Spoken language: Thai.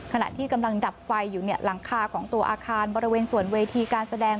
ขณะที่กำลังดับไฟอยู่เนี่ยหลังคาของตัวอาคารบริเวณส่วนเวทีการแสดง